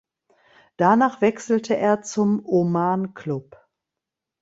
Danach wechselte er zum Oman Club.